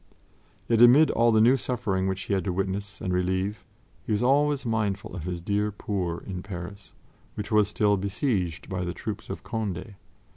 Yet, amid all the new suffering which he had to witness and relieve, he was always mindful of his dear poor in Paris, which was still besieged by the troops of Condé.